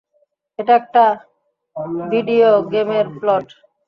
এটা একটা ভিডিয়ো গেমের প্লট!